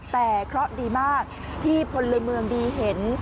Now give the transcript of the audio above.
แต่เคราะห์ดีมากที่พลเมืองดีเห็น